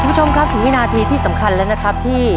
คุณผู้ชมครับถึงวินาทีที่สำคัญแล้วนะครับที่